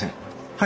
はい。